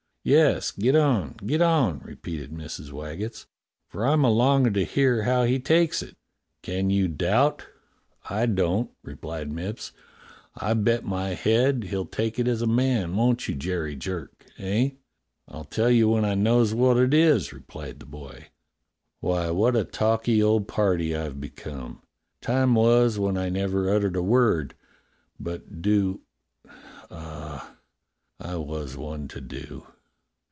"Yes, get on, get on," repeated Mrs. Waggetts, "for I'm a longin' to hear how he takes it." "Can you doubt .'^ I don't," replied Mipps. "I bet my head he'll take it as a man, won't you, Jerry Jerk, eh?" A YOUNG RECRUIT 165 "I'll tell you when I knows wot it is," replied the boy. "Why, what a talky old party I've become. Time was when I never uttered a word — but do — ah, I was one to do.